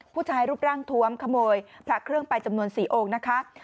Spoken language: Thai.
ผู้ชายรูปร่างทวมขโมยพระเครื่องไปจำนวน๔องค์นะคะ